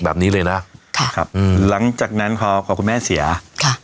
แบบนี้เลยนะค่ะครับอืมหลังจากนั้นพอพอคุณแม่เสียค่ะ